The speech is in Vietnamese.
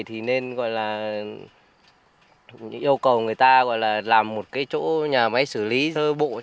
thì nên gọi là yêu cầu người ta gọi là làm một cái chỗ nhà máy xử lý thơ bụi